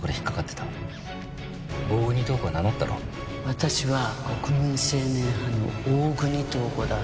私は国民青年派の大國塔子だ。